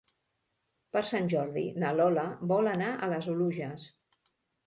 Per Sant Jordi na Lola vol anar a les Oluges.